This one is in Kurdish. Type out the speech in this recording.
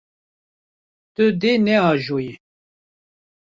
Tu dê neajoyî.